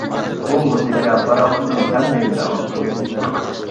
بۇ مۇزىكا پاراخوتنىڭ ھەممە يېرىدە ئاڭلىناتتى.